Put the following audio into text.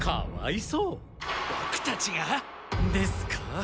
ボクたちが？ですか？